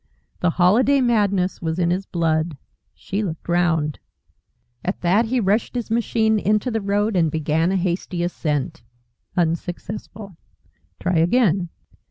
The Holiday madness was in his blood. She looked round! At that he rushed his machine into the road, and began a hasty ascent. Unsuccessful. Try again.